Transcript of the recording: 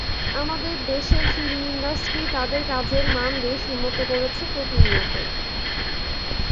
আমাদের দেশের film industry তাদের কাজের মান বেশ উন্নত করছে প্রতি নিয়ত।